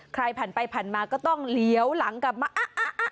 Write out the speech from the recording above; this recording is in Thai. ใครผ่านไปผ่านมาก็ต้องเหลียวหลังกลับมาอะ